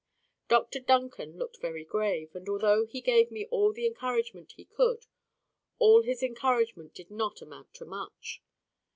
Dr Duncan looked very grave, and although he gave me all the encouragement he could, all his encouragement did not amount to much.